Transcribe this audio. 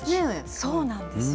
そうなんですよ。